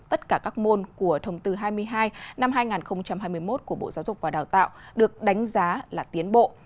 tất cả các môn của thông tư hai mươi hai năm hai nghìn hai mươi một của bộ giáo dục và đào tạo được đánh giá là tiến bộ